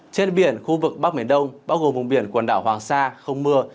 trên biển khu vực bắc miền đông bao gồm vùng biển quần đảo hoàng sa không mưa